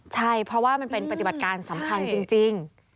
ใช่เพราะว่ามันเป็นปฏิบัติการสำคัญจริง